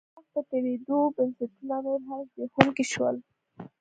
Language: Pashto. د وخت په تېرېدو بنسټونه نور هم زبېښونکي شول.